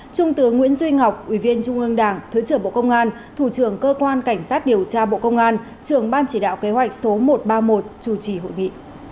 trung tướng nguyễn duy ngọc ủy viên trung ương đảng thứ trưởng bộ công an thủ trưởng cơ quan cảnh sát điều tra bộ công an trưởng ban chỉ đạo kế hoạch số một trăm ba mươi một chủ trì hội nghị